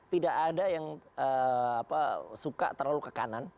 tidak ada yang suka terlalu ke kanan